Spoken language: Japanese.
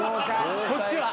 こっちは。